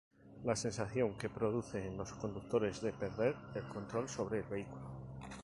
La sensación que produce en los conductores de perder el control sobre el vehículo.